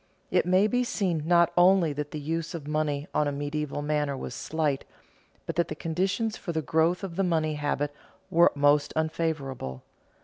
It may be seen not only that the use of money on a medieval manor was slight, but that the conditions for the growth of the money habit were most unfavorable.